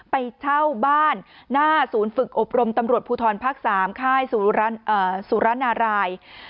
ไปเช่าบ้านหน้าศูนย์ฝึกอบรมตำรวจภูทรภาค๓ค่ายสุรนาราย